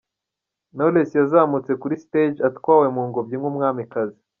Knowless yazamutse kuri Stage atwawe mu ngobyi nk’umwamikazi.